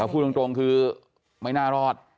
พูดตรงคือไม่น่ารอด